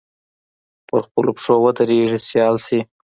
پر خپلو پښو ودرېږي سیال شي